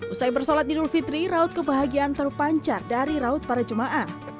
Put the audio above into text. usai bersolat idul fitri raut kebahagiaan terpancar dari raut para jemaah